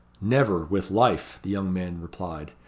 "Never, with life," the young man replied.